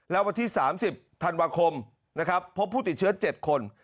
แล้ววันที่๓๐ธันวาคมนะครับพบผู้ติดเชื้อ๗คน